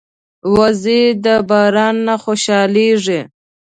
وزې د باران نه خوشحالېږي